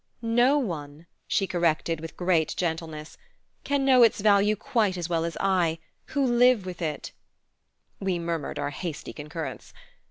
"No one," she corrected with great gentleness, "can know its value quite as well as I, who live with it " We murmured our hasty concurrence.